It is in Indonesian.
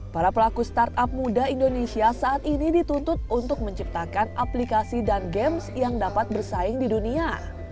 para pelaku startup muda indonesia saat ini dituntut untuk menciptakan aplikasi dan games yang dapat bersaing di dunia